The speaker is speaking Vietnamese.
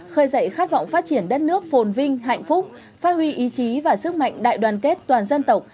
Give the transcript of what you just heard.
khơi dậy khát vọng phát triển đất nước phồn vinh hạnh phúc phát huy ý chí và sức mạnh đại đoàn kết toàn dân tộc